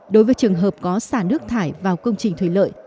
đối với trường hợp có xả nước thải vào công trình thủy lợi